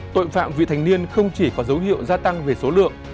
tội phạm vị thành niên không chỉ có dấu hiệu gia tăng về số lượng